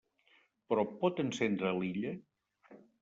Però pot encendre l'illa?